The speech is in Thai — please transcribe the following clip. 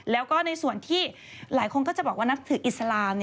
แล้วก็ในส่วนที่หลายคนก็จะบอกว่านับถืออิสลาม